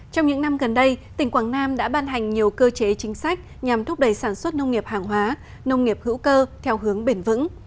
trong những năm gần đây tỉnh quảng nam đã ban hành nhiều cơ chế chính sách nhằm thúc đẩy sản xuất nông nghiệp hàng hóa nông nghiệp hữu cơ theo hướng bền vững